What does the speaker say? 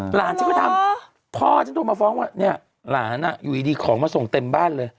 หลานฉันก็ทำพ่อฉันโทรมาฟ้องว่าเนี่ยหลานอยู่ดีของมาส่งเต็มบ้านเลย